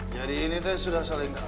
jadi ini teh sudah saling kenal